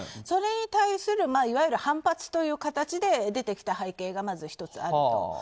それに対する反発という形で出てきた背景がまず１つある。